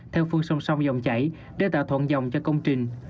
theo phương sông sông dòng chảy để tạo thuận dòng cho công trình